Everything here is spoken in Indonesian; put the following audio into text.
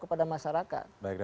baik anggarannya cukup besar ya